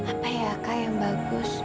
apa ya kak yang bagus